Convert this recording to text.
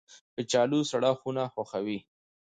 کچالو سړه خونه خوښوي